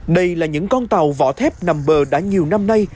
đây là những con tàu vỏ thép nằm bờ đã nhiều năm nay